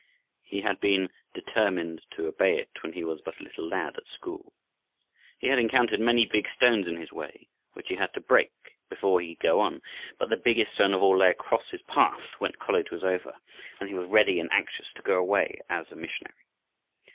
He had determined to obey it when he was but a little lad at school. He had encountered many big stones in his way, which he had to break, before he could go on. But the biggest stone of all lay across his path when college was over, and he was ready and anxious to go away as a missionary.